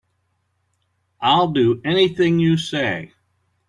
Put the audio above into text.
I'll do anything you say.